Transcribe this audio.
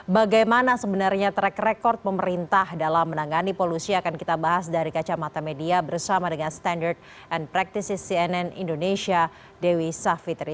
bagaimana sebenarnya track record pemerintah dalam menangani polusi akan kita bahas dari kacamata media bersama dengan standard and practices cnn indonesia dewi savitri